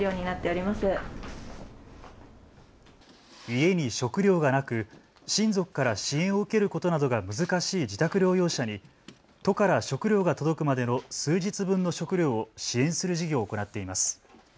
家に食料がなく親族から支援を受けることなどが難しい自宅療養者に都から食料が届くまでの数日分の食料を支援する事業を行っています。